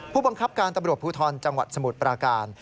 ผู้บังคับการตำรวจภูทรจังหวัดสมุทรปราการ